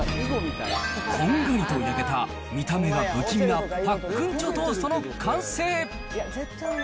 こんがりと焼けた、見た目が不気味なパックンチョトーストの完成。